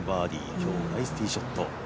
今日はナイスティーショット。